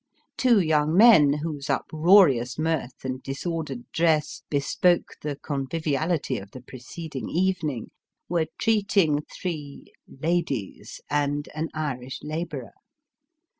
Two young men, whose uproarious mirth and disordered dress bespoke the conviviality of the preceding evening, were treating three " ladies " and an Irish labourer.